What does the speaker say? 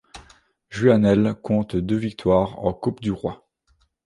Juanele compte deux victoires en Coupe du Roi.